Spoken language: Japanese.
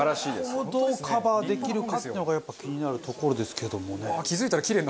そこをどうカバーできるかっていうのがやっぱ気になるところですけどもね。